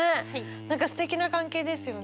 何かすてきな関係ですよね。